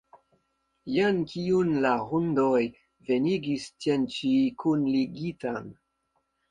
Jen kiun la hundoj venigis tien ĉi kunligitan!